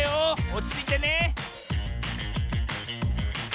おちついてね